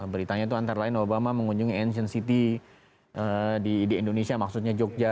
beritanya itu antara lain obama mengunjungi ancient city di indonesia maksudnya jogja